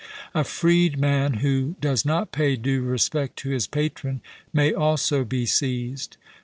A freedman who does not pay due respect to his patron, may also be seized.